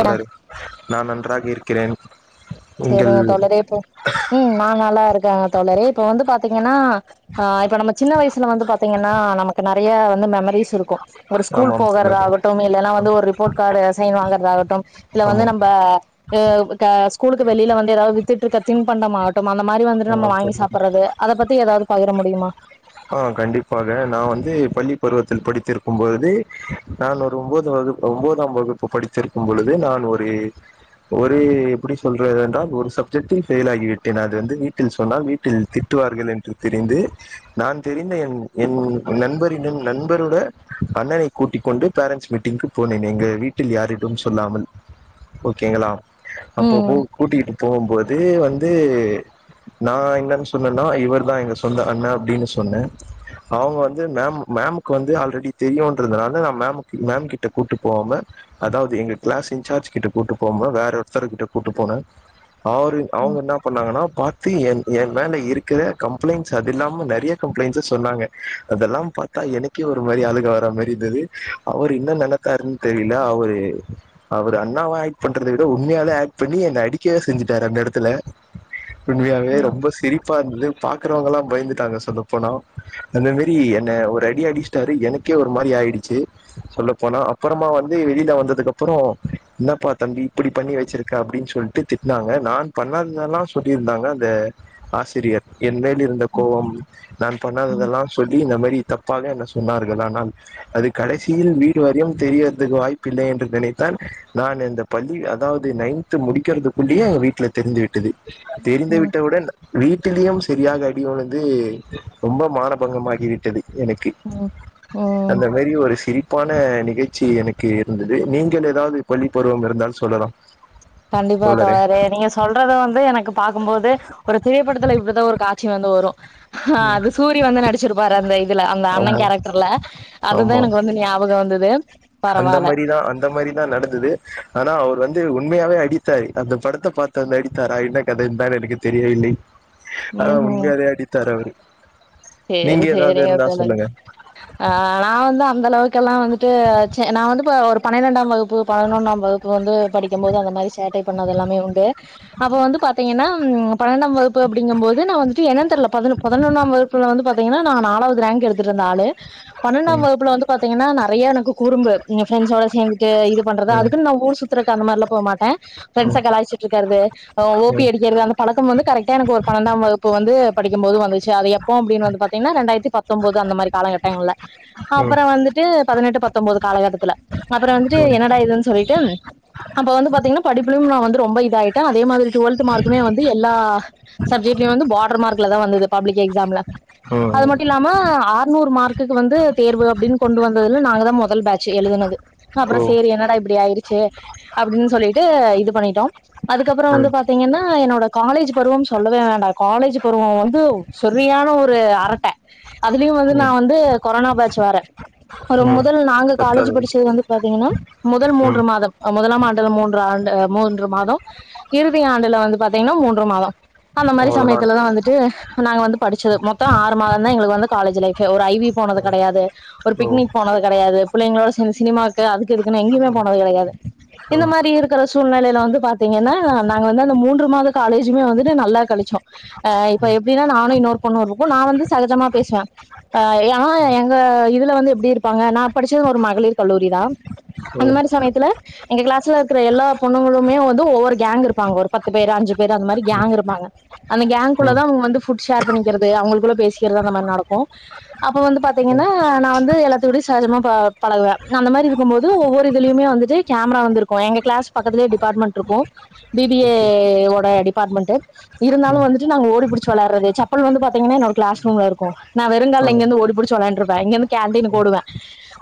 அதாரு நான் நன்றாக இருக் கிரென் சரிங்க தோழர இப்ப உம் நா நல்ல இருக்கா தோழர இப்ப வந்து பாத்தீங்கன்னா ஆ இப்ப நம்ம சின்ன வயசுல வந்து பாத்தீங்கன்னா நமக்கு நிறைய மெமரிஸ் இருக்கு ஒரு ஸ்கூல் ஆமாம் தோழர் போகறதாகட்டும் இல்லன்னா வந்து ஒரு ரிப்போர்ட் கார்டு சைன் வாங்கறதாகட்டும் இல்ல வந்து ஆமாம் நம்ம கூலு வெியில வந்துது வித்துட்டுக்க தின் பண்ட மா கட்டும் அந்த மாதிரி வந்துட்டு ஆ நம்ம வாங்கி தோழர் சாப்பிடுறது அத பத்தி ஏதாவது பகிர முடியுமா ஆ கண்டிப்பாக நா வந்து பள்ளி பருவத்தில் படித்திருக்கும்பழுது நா ஒரு ஒன்பது வகுப்பு ஒன்பதாம் வகுப்பு படித்திருக்கும் பொழுது நான் ஒரு ஒரு எப்படி சொல்றென்றால் ஒரு சப்ஜெக்ட்டில் பெபயில் ஆகி விட்டேன் அது வந்து வீட்டில் சொன்னால் வீட்டில் திட்டுவார்கள் என்று தெரிந்து நான் தெரிந்த என் என் நண்பரின் நண்பரோட அண்ணனை கூட்டிக்கொண்டு பேரண்டட்ஸ் மீட்டிங்க்குக்கு போனேன் எங்கள் வீட்டில் யாரிட சொல்லாமல் ஓகேங்களா அப்போ ம் கூட்டிட்டு போகும்போது வந்து நா என்னன்னு சொன்னேன்னா இவவர் தா எங்க சொந்த அண்ணன் அப்படின்னு சொ ன்ன அவங்க வந்து மேம் மேமுக்கு வந்து ஆல்ரெடி தெரியும்ன்றதுனால நா மம் கிட்ட கூட்டு போவாம அதாவது எங்க கிளாஸ் இன்சார்ஜ் கிட்ட கூட்டு போாம வேற ஒருத்தர்க கிட்ட கூட்டு போனே அவரு ம் அவங்க என்ன பண்ணாங்கன்னா பார்த்து என் என் மேல இருக்கிற கம்ப்ளைண்ட்ஸ் அது இல்லாமல் நிறைய கம்பிளாயிண்ட்ஸ் சா சொன்னாங்க அதெல்லா பார்த்தா எனக்கே ஒரு மாதிரி அழகா வர் மாதிரி இருந்தது அவர் என்ன்ன நினைத்தாருன்னு தெரியல அவரு அவர் அண்ணாவா ஆக்ட் பண்றத விட உண்மையாலே ஆக்ட் பண்ணி என்னை அடிக்கவே செஞ்சுட்டாரு அந்த இடத்துல உண்மையாவே ம் ரொம்ப சிரிப்பா இருந்தது பாக்குறவங்கல்லாம் பயந்துட்டங்க சொல்ல போனா அந்த மாரி என்ன ஒரு அடி அடிச்ச்டாரு எனக்கே ஒரு மாதிரி ஆயிடுச்சு சொல்ல போனா அப்புறமா வந்து வெளியில வந்ததுக்கு அப்புறம் என்னப்பா தம்பி இப்படி பண்ணி வச்சிருக்க அப்படின்னு சொல்லிட்டு திட்டனாங்க நா பண்ணாதனல்லா சொல்லிருந்தாங்க அந்த ஆசிரியர் என் மேல் இருந்த ம் கோவம் நா ம் பண்ணாததெல்லா சொல்லி இந்த மாதி தப்பாக என்ன சொன்னார்கள் ஆனால் அது கடைசியில் வீடு வாரியம் தெரியிறதுக்கு வாய்ப்பு இல்லை என்று நினைத்தா நா இந்த பள்ளி அதாவது நைன்து முடிக்கிறதுக்குள்ளேயே எங்க வீட்டுல தெரிந்து விட்டது தெரிந்து ம் விட்டவுடன் வீட்டிலயும் சரியாக அடி விழுந்து ரொம்ப மானபங்கம ஆகி விட்டது எனக்கு ம் ம் அந்த மாரி ஒரு சிரிப்பு உப்பான நிகழ்ச்சி எனக்கு இருந்தது நீங்கள் ஏதாவது பள்ளி பருவம் இருந்தாலும் சொல்லலாம் கண்டிப்பா தோழரே நீங்க சொல்றது வந்து எனக்கு பாக்கும்போது ஒரு திரைப்படத்துல இப்படிதான் ஒரு காட்சி வந்து வரும் ஆஹ் அது சூரியா வந்து நடிச்சிருப்பாரு அந்த இதுல அந்த ஆமா அண்ணன் கேரக்டர்ல அதுதான் ஆமா எனக்கு வந்து ஞாபகம் வந்தது அந்த பரவால்ல மாதிரிதான் அந்த மாதிரிதான் நடந்தது ஆனா அவர் வந்து உண்மை உண்மையாவே அடித்தாரு அந்த படத்தை பார்த்து வந்து அடித்தாரா என்ன கதை இத்தானான்னு எனக்கு தெரியவில்லை ஆஹ ம் ம் உண்மையாவே அடித்தார் அவரு சேரி நீங்க ஏதாவது சேரி இருந்தா வத்தல்ல சொல்லுங்க ஆஹ் நான் வந்து அந்த அளவுக்கெல்லாம் வந்துட்டு நான் வந்து இப்ப ஒரு பன்னிரெண்டாம் வகுப்பு பதினொன்னாம் வகுப்பு வந்து படிக்கும் போது அந்த மாதிரி சேட்டை பண்ணது எல்லாமே உண்டு அப்போ வந்து பாத்தீங்கன்னா பன்னெண்டாம் வகுப்பு அப்படிங்கும் போது நான் வந்துட்டு என்னான்னு தெரல பதினொன்னாம் வகுப்பு வந்து பாத்தீங்கன்னா நாங்க நாலாவது ரேங்க் எடுத்து இருந்த ஆள் பன்ணென்டாம் ம், வகுப்புல வந்து பாத்தீங்கன்னா நா நிறைய எனக்கு குறும்பு என் ஃபிரண்டஸோட சேர்ந்து இது பண்றது ம், அதுக்கு ந ஊர் சுத்துறக்கு அந்த மாதிரிலாம் போகமாட்டேன் ம், ஃபிரெண்ட்ஸ கலாய்ச்சிட்டு இருக்கறது ஓபி ம், அடிக்கிறது அந்த பழக்கம் வந்து கரெக்ட் எனக்கு ஒரு பன்னெண்டாம் வகுப்பு வந்து படிக்கும் போது வந்துச்சு அதை அப்படின்னு வந்து பாத்தீங்கன்னா ரெண்டாயிரத்துபத்தொன்பது அந்தமாதிரி காலகட்டங்கள்ல ம், ம், அப்புறம் வந்துட்டு பதினெட்டு பத்து பத்தொன்பது காலகட்டத்தில அப்புறம் வந்துட்டு ம், என்னடா இதுன்னு சொல்லிட்டு அப்ப வந்து பாத்தீங்கன்னா படிப்பிலையும் நான் வந்து ரொம்ப இதாயிட்டேன் அதே மாதிரி டுவெல்த்து மார்க்குமே வந்து எல்லா சப்ஜெக்ட்லயும் வந்து பார்டர் மார்க்ல தான் வந்தது பப்ளிக் எக்ஸாம்ல அது ம். மட்டும் இல்லாம அறுநூறு மார்க் கிக்கு வந்து தேர்வு அப்படின்னு கொண்டு வந்ததுல நாங்க தான் மொத்தைத் முதல் பேட்சு எழுதுனது ஓ அப்புறம் சேரி என்னடா இப்படி ஆயிருக்கு சே அப்படின்னு சொல்லிட்டு இது பண்ணிட்டோம் அதுக்கப்புறம் வந்து ம், பாத்தீங்கன்னா என்னோட காலேஜ் பருவம் சொல்லவே வேண்டாம் காலேஜு பருவம் வந்து செரியான இப்போ ஒரு அரட்ட அதுலயு வந்து நா ம், வந்து கொரோனா பேச்சு வேற ஒரு ம். முதல் நாங்கு காலேஜ்ஜு பத்தாவது படிச்சது வந்து பாத்தீங்கன்னா முதல் ம் மூன்று மாதம் முதலாம் ஆண்டுல மூன்று ஆண்டு மூன்று மாத இறுதி ஆண்டுல வந்து பாத்தீங்கன்னா மூன்று மாத அந்த மாரி அவ்வளோதான் சமயத்துலதா வந்துட்டு நாங்க வந்து படி மொத்த ஆறு மாதந்தா எங்களுக்கு வந்து காலேஜு லைஃப்பே ஒரு ஐவி போனது கெடையாது ஒரு ஓ பிக்னிக் போனது கெடையாது து புள்ளைங்களோட சேந்து சினிமாவுக்கு அது இதுக்குன்னே எங்கியுமே போனது கெடயாது இந்த ம் மாரி இருக்கிற சூழ்நெலையில வந்து பாத்தீங்கன்னா நாங்க வந்து அந்த மூன்று மாதத் காலேஜுமே வந்துட்டு நல்லா கழிச்சோ அ இப்ப எப்டின்னா நானு இன்னொரு பொண்ணுருக்கு நா வந்து சகஜமா பேசுவே அ ஏன்னா எங்க இது உள்ள வந்து எப்டி இருப்பாங்க நா படிச்சது ஒரு மகளிர் கல்லூரி தா அந்த ம் மாரி சமயத்துல எங்க கிளாஸ்ல இருக்குற எல்லா பொண்ணுங்களுமே வந்து ஒவ்வொரு கேங் இருப்பாங்க ஒரு பத்து பேரு அஞ்சு பேரு அந்த மாரி கேங் இருப்பாங்க அந்த கேங்குள்ள ம் தா அவுங்க வந்து ஃபுட் ஷேர் பண்ணி க்கிறது அவுங்களுக்குள்ள பேசிக்கிறது அந்த மாரி நடக்கு அப்ப வந்து பாத்தீங்கன்னா ம் நா வந்து எல்லாத்து கூடயு சகஜமா பா பழகுவே நா அந்த மாறி இருக்கும்போது ஒவ்வொரு இதுலயுமே வந்துட்டு கேமரா வந்திருக்கு எங்க கிளாஸ் பக்கத்திலேயே டிபார்ட்மெண்ட் இருக்கும் பி பி ஏ ஓகே ஓட டிப் அப்பார்ட்மெண்ட்டு இருந்தாலு ம் வந்துட்டு நாங்க ஓடிபுடிச் சொல்லாறது சப் அப்ப வந்து பாத்திங்கன்னா என்னோட கிளாஸ் ரூம்ல இருக்கு நா வெறுங்கால்ல ஆமாம் இங்கிருந்து ஓடிபுடிச் வெளாண்ருப் இங்கந்து காண்டீன் ஓடுவே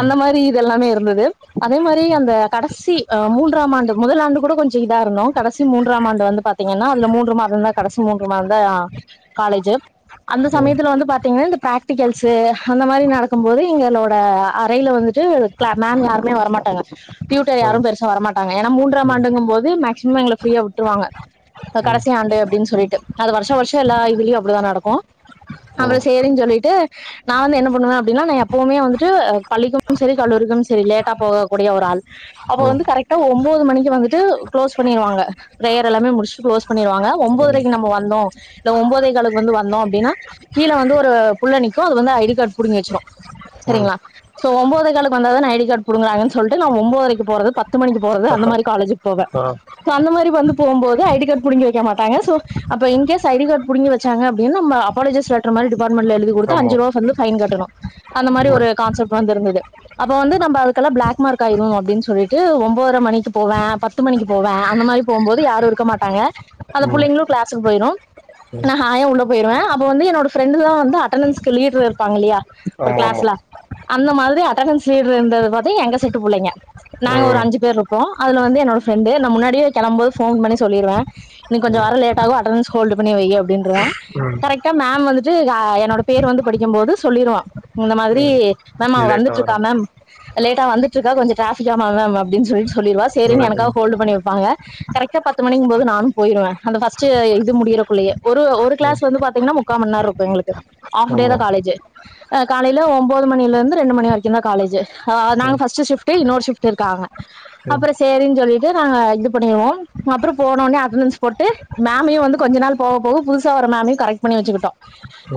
அந்த மாதிரி இதெல்லாமே இருக் இருந்தது அதே மாரி அந்த கடைசி அ மூன்றாம் ஆண்டு முதல் ஆண்டு கூட கொஞ்ச இதா இருந்தோ கடைசி மூன்றாம் ஆண்டு வந்து பாத்தீங்கன்னா அதுல மூன்று மாத இருந்தா கடைசி மூன்று மாதந்தா காலேஜ்ஜு அந்த ம் ம் சமயத்துல வந்து பாத்தீங்கன்னா இந்த பிராக்டிகல்ஷு அந்த மாரி நடக்கு போது எங்களோட அறையில வந்துட்டு மேம் யாருமே வரமாட்டாங்க டியூட்டர் யாரு பெருசா வரமாட்டாங்க ஏன்னா ஆ ம் ம் மூன்றாம் ஆண்டுங்கும் போது மேக்சிமம் எங்களை ஃப்ரீயா விட்டருவாங்க இப்ப கடைசி ஆண்டு அப்டின்னு சொல்லிட்டு அது வருஷா வருஷ எல்லா இதுலயு அப்படிதா நடக் ஆ நம்ம சேரின் சொல்லிட்டு நா வந்து என்ன பண்ணுவே அப்டின்னா எப்பவுமே வந்துட்டு அ பள்ளிக்கு சரி கல்லூரி சரி லேட்டா போகக்கூடிய ஒரு ஆள் அப்போ வந்து ஓ கரெக்ட்டா ஒம்போது மணிக்கு வந்துட்டு கிளோஸ் பண்ணவாங்க ப்ரேயர் எல்லாமே முடிச்ட்டு கிளோஸ் பன்னிருவாங்க ஒம்போதரைக்கு நம்ம வந்தோ இல்ல ஒம்போதே கால்க்கு வந்து வந் ன்னா அப்டினா கீழ வந்து ஒரு புள்ள நிக்கு அது வந்து ஐ டி கார்டு புடிங்கி வச்சிரு தெரியுங்களா சோ ஒம்போதே கால்க்கு வந்தாதான ஐ டி கார்டு புடுங்குறாங்கன் சொல்ட்டு நா ஒம்போதரைக்கு போறது பத்து மணிக்கு போறது அந்த மாரி காலேஜ் போவே ஓ சோ அந்த மாரி வந்து போம்போது ஐ டி கார்டு புங்கி வைக்க மாட்டங்க சோ அப்ப இன்கேஸ் ஐ டி கார்டு புடிங்கி வச்சாங்க என்ன அப்பாலாஜிஸ் லெட்டர் மாரி டிபார்ட்மென்ட்ல எழுதி குடுத்தா அஞ்சு ஆமாம் ரூவா பைன் கட்டணு அந்த மாரி ம் ஆ ஆமாம் ஒரு ஆமாம் ம் கான்செப்ட் வந்துருந்தது அப்போ வந்து நம்ப அதுக்கல்லா பிளாக் மார்க் ஆயிரும் அப்டின்னு சொல்லிட்டு ஒம்போதர மணிக்கு போவே பத்து மணிக்கு போவே அந்த மாரி போம்போது யாரு இருக்க மாட்டாங்க அந்த புள்ளைகளு கிளாஸ்க்கு போய்ரு ஹாயா உள்ள போ போயிடுவே அப்ப வந்து என்னோட ஃரெண்ட் தா வந்து அட்டன்ஸ்க் லீட்ரு இருப்பாங்க இல்லையா ஒரு ஆமாம் ஆமாம் கிளாஸ்ல அந்த மாதிரி அட்டண்டன்ஸ் லீட்ரு இருந்தது வந்து எங்க செட்டு புள்ளைங்க நாங்க ஒரு ம் அஞ்சு பேரு இருப்போ அதுல வந்து என்னோட ஃப்ரெண்டு நா முன்னாடியே கெளம்போது போன் பண்ணி சொல்லிருவே இன்னு கொஞ்ச ம் வர லேட்டாகு அட்டண்டன்ஸ் ஹோல்டு பண்ணி வை அப்டின்றுவே கரெக்டா மேம் வந்துட்டு ஆ என்னோட பேர் வந்து படிக்கு போது சொல்லிருவா இந்த மாதிரி ம் ம் மேம் அவ லேட்டாக வந்துட்ருக்கா மேம் லேட்டா வந்துட்ருக்கா கொஞ்ச ட்ராபிக்கா மேம் அப்பின்னு சொல்லி சொல் [unintelligible] சரினு வரேன் ம் எனக்காக ம் ஹோல்டு பண்ணி வப்பாங்க கரெக்டா பத்து மணிக்கும் போது நானும் போயிருவேன் அந்த ஃபர்ஸ்ட்டு இது முடியறக்குள்ளையே ஒரு ஒரு கிளாஸ் ம் த்து வந்து பாத்தீங்கன்னா முக்கா மண்நேரோ இருக்கோ எங்களுக்கு ஆஃப் டே தா ஆமாம் காலேஜ் ஆ காலைல ஒம்போது மணிலருந்து ரெண்டு மணி வரைக்கும் தா காலேஜே ஆ ம் ம் ம் நாங்க ஃபர்ஸ்ட்டு ஷிஃப்ட்டு இன்னோரு ஷிஃப்ட்டு இருக்காங்க ம் அப்பறோ சேரின் சொல்லிட்டு நாங்க இது பண்ணிருவோ அப்புறோ போனோன்னே அட்னன்ஸ் போட்டு மேமையும் வந்து கொஞ்ச நாள் போக போக புதுசா வர மேம் மே கரெக்ட் பண்ணி வெச்சிக்குட்டோ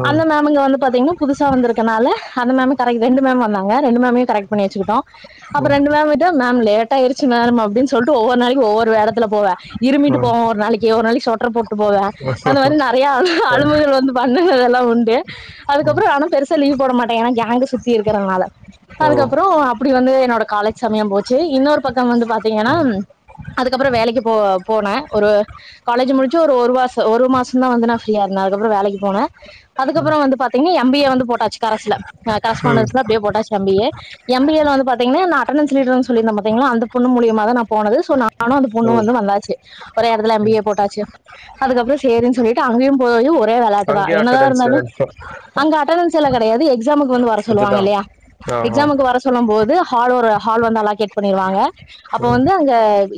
அந்த மேமுங்க வந்து பாத்தீங்கன்னா புதுசா வந்துருக்கனால அந்த மேம்மு கரெக் ரெண்டு மேம் வந்தாங்க ரெண்டு மேமையு கரெக்ட் பண்ணி வெச்சிக்குட்டோ அப்போ ம் ம் ரெண்டு மேம் கிட்ட மேம் லேட்டா ஆயிடுச்சு மேம் அப்புடின்னு சொல்ட்டு ஒவ்வொரு நாளைக்கு ஒவ்வொரு வேடத்துல போவே இரும்பிட்டு போவே ஒரு நாளைக்கு ஒரு நாளைக்கு சோட்டர் போட் போவே அந்த மாரி நறையா அழும்போது வந்து பா இந்த கதல்லா உண்டு அதுக்கப்புறோ நானு பெருசா லீவ் போட மாட்டே ஏன்னா கேங்கு சுத்தி இருக்கிறதுனால ஓ அதுக்கப்புறோ அப்புடி வந்து என்னோட காலேஜ் சமயம் போச்சு இன்னொரு பக்கம் வந்து பாத்தீங்கன்னா அதுக்கப்புறம் வேலைக்கு போ போனே ஒரு காலேஜ் முடிச்சு ஒரு ஒரு மாசோ ஒரு மாசோ தா வந்து நா ஃப்ரீயா இருந்தே அதுக்கப்புறோ வேலக்கி போனே அதுக்கப்புறோ வந்து பாத்தீங்கன்னா எம் பி ஏ வந்து போட்டாச்சி கரஸ்ல அ ம் கரஸ்பான்டன்ஸ் அப்புடியே போட்டாச்சு M B A, M B ஏல வந்து பாத்தீங்கன்னா என்ன அட்டனன்ஸ் லீடர்ன்னு செல்லிருந்த பாத்தீங்களா அந்த பொண்ணு மூலியமா நா போனது சோ நானு அந்த ஓ பொண்ணு வந்து வந்தாச்சு ஒரே எடத்துல எம் பி ம். ஏ போட்டாச்சு அதுக்கப்புறோ சேரின் சொல்லிட் டா அங்கயு போயு ரே வெளாட்டுதா அங்கேயே என்னதா அட்டண்டன்ஸ் இருந்தாலு அங்க அட்டனஸ் சுலா கிடையாது எக்ஸாமுக் வந்து வர சொல்லுவாங்க அதுதான் இல்லையா ஆ ஆ எக்ஸாமுக் வர சொல்லும் போது ஹால் ஒரு ஹால் வந்து அலோக்கேட் பண்ணிருவாங்க அப்போ ம் வந்து அங்க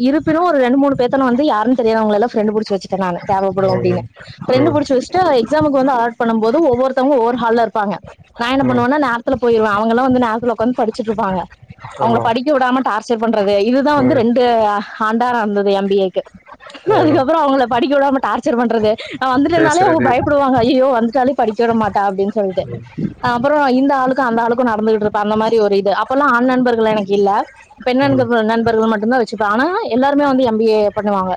இருப்பினும் ஒரு ரெண்டு மூணு பேத்தன வந்து யாருன் தெரியாது அவங்கலல்லா ஃப்ரெண்டு புடுச்சு வெச்சுட்டேன் நானு தேவைப்படும் ம் அப்புடின்னு ம் ஃப்ரெண்டு புடிச்சு வெச்சிட்டா எக்ஸாமுக் ப்போ வந்து ஆட் பண்ணு போது ஒவ்வொருத்த ஒவ்வொரு ஹால்ல இருப்பாங்க நா என்ன ம் பண்ணுவேன்னா நேரத்துல போயிவே அவங்கள்ளா வந்து நேரத்துல உக்கந்து படிச்சிட்ருப்பாங்க அவங்கள ஆமாம் படிக்க விடாம டார்ச்சர் பண்றது இதுதா வந்து ம் ரெண்டு ஆண்டா நடந்தது எம் பி ஏக்கு ஏதோ இதுக்கப்புறோ அவங்கள படிக்க விடாம டார்ச்சர் பண்றது நா வந்துட்டேனாலே அவங்க பேசுறது பயப்புடுவாங்க ஐய்யயோ வந்துட்டாலே படிக்க விட மாட்டா அப்புடின்னு சொல்ட்டு ம், அ அப்புறோ இந்த ஆளுக்கு அந்த ஆளுக்கு நடந்துகுட்ருப்ப அந்த மாரி ஒரு இது அப்போல்லா ஆண் நண்பர்கள் எனக்கு இல்ல பெண் ம், [unintelligible] நண்பர்கள் மட்டும் தா வெச்சிப்பே ஆனா எல்லாருமே எம் பி ஏ பண்ணுவாங்க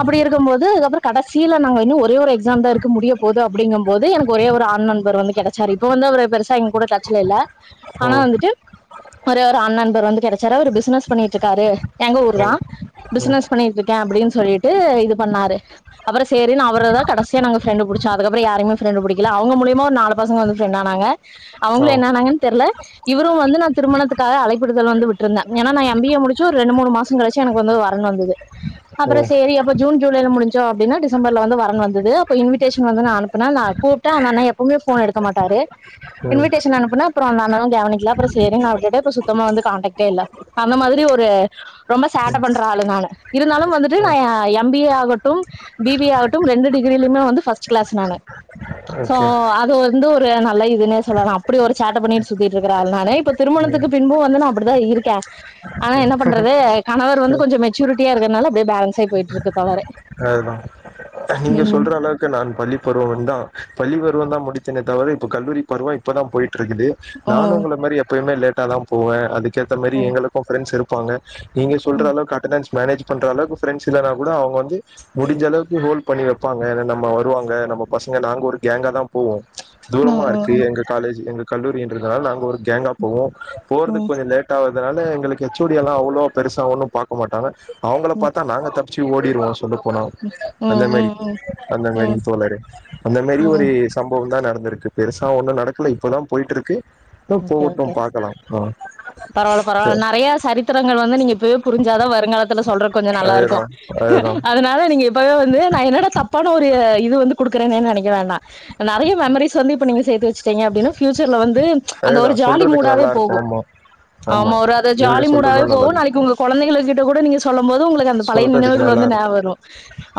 அப்படி இருக்கும் போது அதுக்கப்புறம் கடைசில நாங்க இன்னும் ஒரே ஒரு எக்ஸாம் தான் இருக்கு முடிய போது அப்டிங்கும் போது எனக்கு ஒரே ஒரு ஆண் நண்பர் வந்து கெடைச்சாரு இப்ப வந்து அவரு பெருசா எங்க கூட டச்ல இல்ல ஓ ஆனா வந்துட்டு ஒரே ஒரு ஆண் நண்பர் வந்து கெடைச்சாரு அவரு பிசினஸ் பண்ணிட்ருக்காரு எங்க ஊர் ஓ தா ஓ பிசனஸ் பண்ணிட்ருக்கே அப்புடின்னு சொல்லிட்டு இது பண்ணாரு அவர ஸ் சேரின் அவர தா கடைசியா நாங்க ஃப்ரெண்டு புடிச்சோ அதுகப்புறோ யாரயுமே ஃப்ரெண்டு புடிக்கல அவங்க மூலியமா ஒரு நாலு பசங்க வந்து ஃப்ரெண்டானாங்க ஓ அவங்களு என்னானங்கன்னு தெர்ல இவரும் வந்து நா திருமணத்துக்காக அழைப்பிடுதல் வந்து விட்ருந்தேன் ஏனா நா எம் பி ஏ முடிச்சு ஒரு ரெண்டு மூணு மாசோ கழிச்சு எனக்கு வந்து வரன் வந்துது ஓ அப்புறோ சேரி அப்புறோ ஜூன் ஜூலை ல முடிஞ்சோ அப்டின்னா டி சம்பர்ல வந்து வரன் வந்தது அப்போ இன்விடேஷன் வந்து நா அனுப்புன நா கூப்ட்டே அந்த அண்ணா எப்பவுமே ஃபோன எடுக்க மாட்டாரு ம், இன்விடேஷன் அனுப்புனா அப்புறோ அந்த அண்ணா தா கேவனிக்குல அப்புறோ சேரின் அவர் கிட்ட இப்ப சுத்தமா வந்து கான்டேக்டே இல்ல அந்த மாதிரி ஒரு ரொம்ப சேட்ட பண்ற ஆளு நானு இருந்தாலும் வந்துட்டு நா ம், ஆ எம் பி ஏ ஆகட்டும் பி பி ஏ ஆகட்டும் ரெண்டு டிகிரிலியுமே வந்து ஃபர்ஸ்ட் கிளாஸ் நானு சோ ஓகே அது வந்து ஒரு நல்ல இதுன்னே சொல்லா அப்புடி ஒரு சேட்ட பண்ணிட்டு சுத்திட்ருக்குற ஆள் நானு இப்போ திருமணத்துக்கு பின்பும் வந்து நா அப்புடிதா இருக்கே ஆனால் என்ன பண்றது கணவர் வந்து கொஞ்சம் மெச்சுரிட்டியா இருக்கத்னால அப்புடியே பேலன்ஸ் ஆயி போயிட்ருக்கு தவறே அதுதா நீங்க சொல்ற அளவுக்கு நான் பள்ளி பருவம்முந்தா பள்ளி ப டுவல்த் தா முடிச்சனே தவற இப்ப கல்லூரி பருவோ இப்ப தா போயி ட்ருக்குது நானு ம் உங்கள மாரி எப்பயுமே லேட் டா தா போவே அதுக் கேத்த மாரி ம் எங்களுக்கு ஃபிரெண்ட்ஸ் இருப் பாங்க நீங்க சொல்ற அளவுக் அட்டனன்ஸ் மேனேஜ் பண்ற அளவுக்கு ப்ரெண்ட்ஸ் இல்லன்னா கூட அவுங்க வந்து முடிஞ்ச அளவுக்கு ஹோல்ட் பண்ணி வெப்பாங்க ஏன்னா நம்ம வருவாங்க நம்ம பசங்க நாங்க ஒரு கேங்கா தா போவோ ம் தூரமா இருக்கு ம் ம் எங்க காலேஜ் எங்க கல்லூரி என்றுனால் நாங்க ஒரு கேங்கா போவோ ம் போறதுக் ம் கொஞ்சோ லேட் ஆவு அதனால எங்களுக்கு ஹச் ஓ டி எல்லா அவ்ளோ பெருசா ஒன்னு பாக்க மாட்டாங்க அவுங்கள ம் பாத்தா நாங்க தப் ச்சி ஓடிருவோ போனோ அந்த ம் மாரி ம் அந்த மாரி ம் தோழரே அந்த மாரி ஒரு ம் சம்பவோ தா நடந்திருக் பெருசா ஒண்ணும் நடக்கல இப்பதா போயிட்டுருக்கு ஓகே ஓகே பரவால்ல பரவால்ல நெறையா சரி பசங்கள் வந்து நீங்க இப்பயே புரி்ஞ்சா தா வருங்காலத்துல சொல்ற கொஞ்சோ நல்லா அதுதா இருக்கும் அதுதா அதனால நீங்க இப் இப்பவே வந்து நா என்னடா தப்பான ஒரு இது வந்து குடுக்குறேனேன்னு நினைக்க வேண்டா நெறய மெமரிஸ் வந்து இப்ப நீங்க சேத்து வச்சிட்டீங்க அப்டின்னா பியூச்சர்ல வந்து அந்த அதுதா ஒரு ஜாலி சொல்றதுக்கு மூடாவே நல்லா இருக்கு போகும் ஆமா ஆமா நீங்க சொல்றதுதா நல்லது கூட நீங்க சொல்லும் போது உங்களுக்கு அந்த பழைய சொல்றதுக்கு நினைவுகள் நல்லா வந்து இருக்கு ஞாபக வரு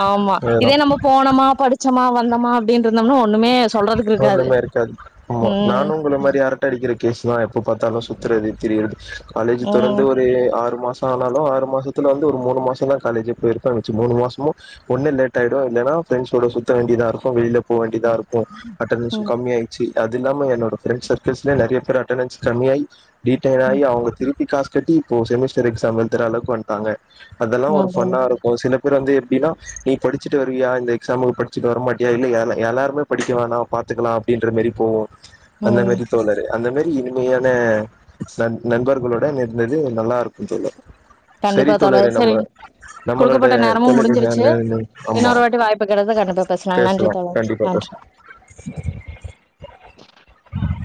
ஆமா அதுதா இதே நம்ம போனமா படிச்சமா வந்தமா அப்டின்னு இருந்தோம்னா ஒண்ணுமே ஒண்ணுமே இருக்காது ஆமா ம் நானு உங்கள ம் மாரி அரட்டை அடிக்கிற கேசுதா எப்ப பார்த்தாலு சுத்தறது திரியிறது காலேஜ் தொடர்ந்து ம் ஒரு ஆறு மாச ஆனாலு ஆறு மாசத்துல வந்து ஒரு மூணு மாசந்தா காலேஜ் போயிருப்பேன் வச்சி மூணு மாசமு ஒன்னு லேட் ஆயிடு இல்லேன்னா பிரெண்ட்ஸ் கூட சுத்த வேண்டிதா இருக்கு வெளில போக வேண்டிதா இருக்கு அட்டென்டென்சு ம் கம்மியாச்சி அது இல்லாம என்னோட ப்ரெண்ட் சர்க்கிள்ஸ்லயே நெறைய பேர் அட்டன்ஸ் கம்மிஆயி ரீட்டேனாயி ம் அவங்க திருப் திரும்பி காஸ் கட்டி இப்போ செமஸ்டர் எக்ஸாம் எழுதுற அளவுக்கு வந்டாங்க அதெல்லாம் ஒரு அதான் ஃபன்னா இருக்கும் சில கூட வந்து எப்பிடினா நீ படிச்சுட்டு வருவியா இந்த எக்ஸாமுக்கு படிச்சுட்டு வர மாட்டியா இல்ல எல்லாருமே படிக்க வேணா பாத்துக்கலாம் அப்டின்ற மாரி போவோம் அந்த ம் மாரி தோழரே அந்த மாரி இனிமையான ந நண்பர்களோட இருந்தது நல்லா இருக்கும் தோழர் கண்டிப்பா சரி தோழரே தோழர் சேரி நம்ம நம்மளோட குடுக்கப்பட்ட நேரமும் தொலைபேசி முடிஞ்சிருச்சு ஆமா இன்னொரு வாட்டி வாய்ப்பு கிடைச்சா கண்டிப்பா பேசலாம் நன்றி தோழர் கண்டிப்பா பேசலாம் நன்றி ஆங்